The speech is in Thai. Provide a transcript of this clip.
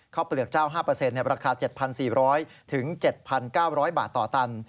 ข้าวเปลือกเจ้าห้าเปอร์เซ็นต์ราคา๗๔๐๐๗๙๐๐บาทต่อตัน